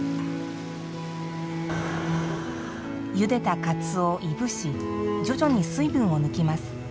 ゆでたかつおをいぶし徐々に水分を抜きます。